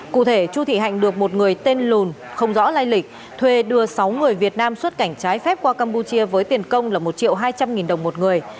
cụ thể chu thị hạnh được một người tên lùn không rõ lai lịch thuê đưa sáu người việt nam xuất cảnh trái phép qua campuchia với tiền công là một triệu hai trăm linh nghìn đồng một người